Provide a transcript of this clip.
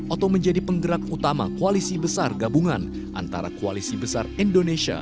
atau menjadi penggerak utama koalisi besar gabungan antara koalisi besar indonesia